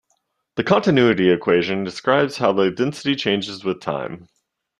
The continuity equation describes how the density changes with time.